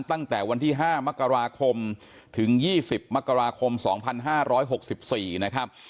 ตั้งแต่วันที่๕มกราคมถึง๒๐มกราคม๒๕๖๔นะครับ